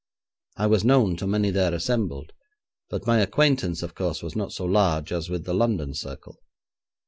I was known to many there assembled, but my acquaintance of course was not so large as with the London circle.